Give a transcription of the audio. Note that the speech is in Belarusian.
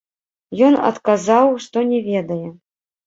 Ён адказаў, што не ведае.